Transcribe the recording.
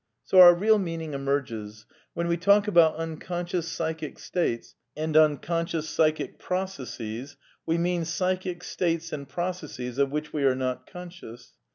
So our real meaning emerges. When we talk about im conscious psychic states and imconscious psychic processes, we mean psychic states and processes of which we are not'" conscious.